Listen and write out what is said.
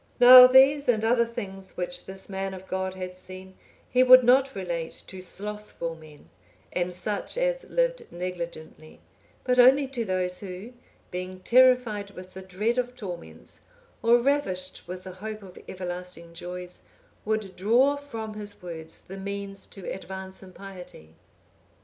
Now these and other things which this man of God had seen, he would not relate to slothful men, and such as lived negligently; but only to those who, being terrified with the dread of torments, or ravished with the hope of everlasting joys, would draw from his words the means to advance in piety.